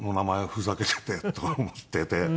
ふざけていてと思っていて。